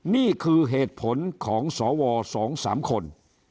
นี่คือเหตุผลของสวสองสามคน